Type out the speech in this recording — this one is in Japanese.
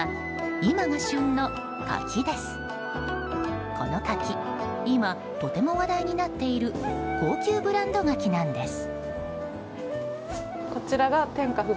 今とても話題になっている高級ブランド柿なんです。